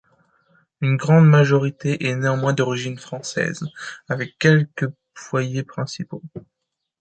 Une grande majorité est néanmoins d'origine française, avec quelques foyers principaux.